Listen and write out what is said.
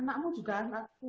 anakmu juga anakku